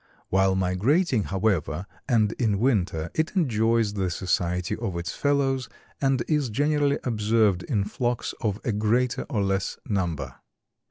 While migrating, however, and in winter, it enjoys the society of its fellows and is generally observed in flocks of a greater or less number.